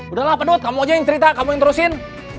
udahlah penuh kamu aja yang cerita kamu yang terusin